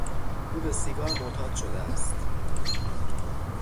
او به سیگار معتاد شده است.